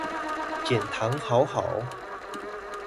減醣好好